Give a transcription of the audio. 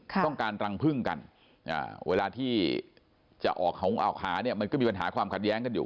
ต้องการรังพึ่งกันเวลาที่จะออกขาเนี่ยมันก็มีปัญหาความขัดแย้งกันอยู่